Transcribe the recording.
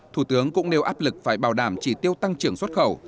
thủ tướng cũng nêu áp lực phải bảo đảm chỉ tiêu tăng trưởng xuất khẩu